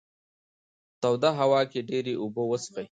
توده هوا کې ډېرې اوبه وڅښئ.